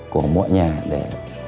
của mọi nhà để